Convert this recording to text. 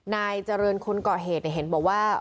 นายเจริญคนก่อเหตุเห็นบอกว่า